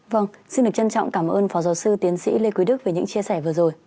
vâng xin được trân trọng cảm ơn phó giáo sư tiến sĩ lê quý đức về những chia sẻ vừa rồi